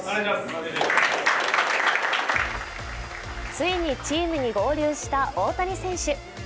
ついにチームに合流した大谷選手。